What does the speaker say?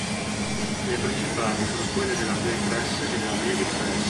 Le principali sono quella della Play Press e della Magic Press.